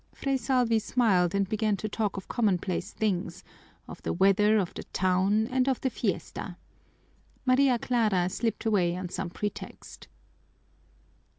Fray Salvi smiled and began to talk of commonplace things, of the weather, of the town, and of the fiesta. Maria Clara slipped away on some pretext.